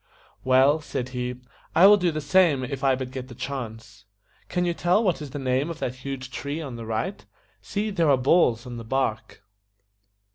"Well," said he, "I will do the same if I but get the chance. Can you tell what is the name of that huge tree on the right? See, there are balls on the bark."